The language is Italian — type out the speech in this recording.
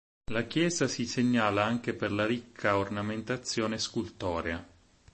La chiesa si segnala anche per la ricca ornamentazione scultorea.